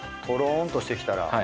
とろんとしてきたら。